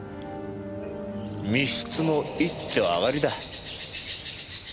密室の一丁上がりだ。